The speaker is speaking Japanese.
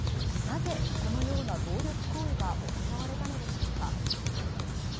なぜこのような暴力行為が行われたのでしょうか。